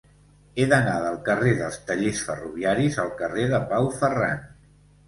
He d'anar del carrer dels Tallers Ferroviaris al carrer de Pau Ferran.